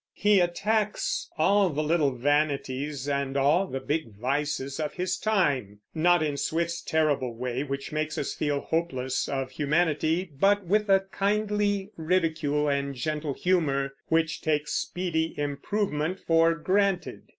He attacks all the little vanities and all the big vices of his time, not in Swift's terrible way, which makes us feel hopeless of humanity, but with a kindly ridicule and gentle humor which takes speedy improvement for granted.